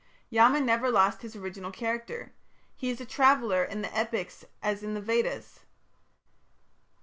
Yama never lost his original character. He is a traveller in the Epics as in the Vedas.